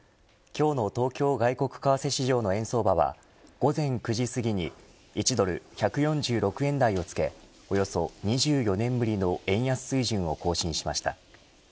今日の東京外国為替市場の円相場は午前９時すぎに１ドル１４６円台をつけおよそ２４年ぶりの円安水準を更新しました。